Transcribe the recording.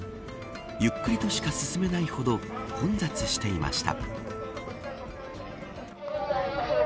ゆっくりとしか進めないほど混雑していました。